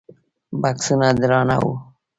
بکسونه درانه وو.